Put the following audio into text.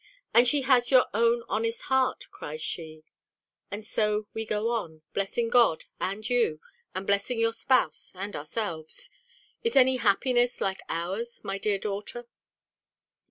"And she has your own honest heart," cries she: and so we go on, blessing God, and you, and blessing your spouse, and ourselves! Is any happiness like ours, my dear daughter?